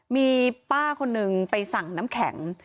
มีป้าคนหนึ่งไปสั่งน้ำแข็ง